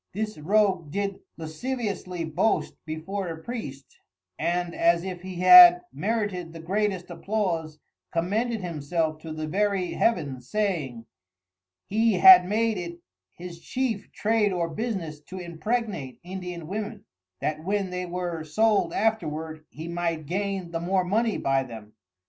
This Rogue did lasciviously boast before a Priest, and as if he had merited the greatest applause, commended himself to the very Heavens, saying, "He had made it his chief Trade or Business to impregnate Indian Women, that when they were sold afterward, he might gain the more Money by them."